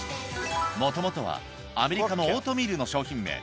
元々はアメリカのオートミールの商品名